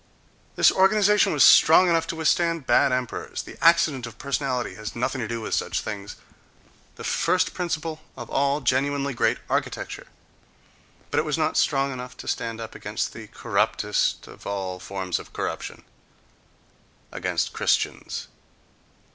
—This organization was strong enough to withstand bad emperors: the accident of personality has nothing to do with such things—the first principle of all genuinely great architecture. But it was not strong enough to stand up against the corruptest of all forms of corruption—against Christians....